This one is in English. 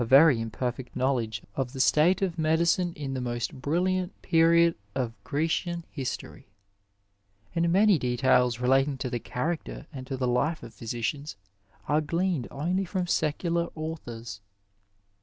48 Digitized by Google AS DEPICTED IN PLATO imperfect knowledge of the state of medicine in the most brilliant period of Grecian history ; and many details re lating to the character and to the life of physicians are gleaned only from secular authors.